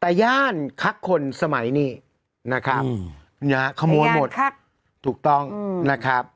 แต่ย่านคักคนสมัยนี้นะครับขโมยหมดถูกต้องนะครับ